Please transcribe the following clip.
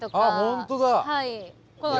あほんとだ。